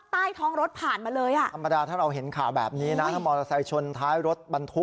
ใต้ท้องรถผ่านมาเลยอ่ะธรรมดาเราเห็นขาแบบนี้นะวงให้ชนท้ายรถบรรทุก